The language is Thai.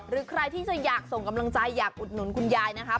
หรือใครที่จะอยากส่งกำลังใจอยากอุดหนุนคุณยายนะครับ